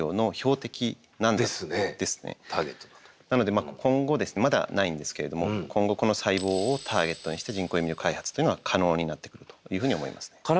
なので今後ですねまだないんですけれども今後この細胞をターゲットにした人工塩味料の開発というのは可能になってくるというふうに思いますね。